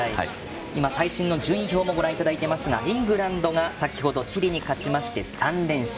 今、最新の順位表をご覧いただいていますがイングランドが先ほどチリに勝ちまして３連勝。